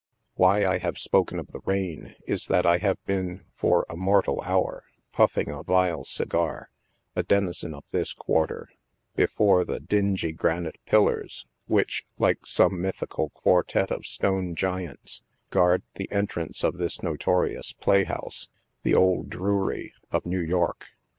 Why I have spoken of the rain is that I have been, for a mortal hour, puffing a vile segar— (a denizen of this quarter)— before the dingy granite pillars, which, like some mythical quartette of stone giants, guard the entrance of this notorious play house— The " Old Drury" of New York.